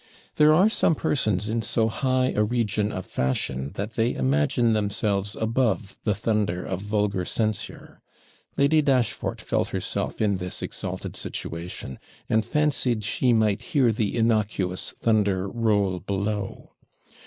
There are some persons in so high a region of fashion, that they imagine themselves above the thunder of vulgar censure. Lady Dashfort felt herself in this exalted situation, and fancied she might 'hear the innocuous thunder roll below.'